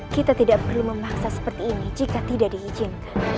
kita tidak perlu memaksa seperti ini jika tidak diizinkan